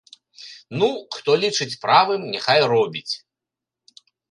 Ну, хто лічыць правым, няхай робіць.